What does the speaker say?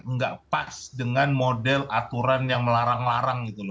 nggak pas dengan model aturan yang melarang larang gitu loh